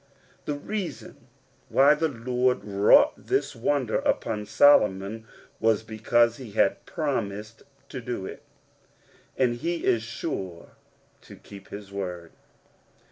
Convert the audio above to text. The reason why the Lord wrought this wonder upon Solomon was because he had promised to do it, and he is sure to keep his word.